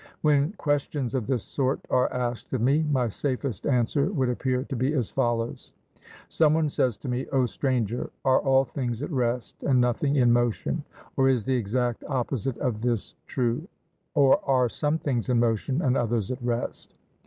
When questions of this sort are asked of me, my safest answer would appear to be as follows: Some one says to me, 'O Stranger, are all things at rest and nothing in motion, or is the exact opposite of this true, or are some things in motion and others at rest?'